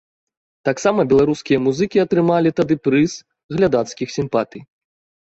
Таксама беларускія музыкі атрымалі тады прыз глядацкіх сімпатый.